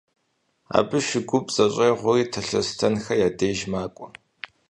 Абы шу гуп зэщӀегъури Талъостэнхэ я деж макӀуэ.